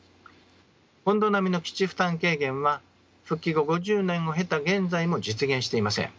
本土並みの基地負担軽減は復帰後５０年を経た現在も実現していません。